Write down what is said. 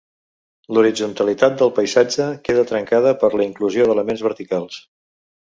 L'horitzontalitat del paisatge queda trencada per la inclusió d'elements verticals.